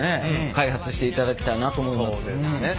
開発していただきたいなと思います。